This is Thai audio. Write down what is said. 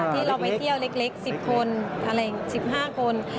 ที่เราไปเที่ยวเล็ก๑๐คน๑๕คน